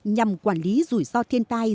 nhằm quản lý rủi ro thiên tai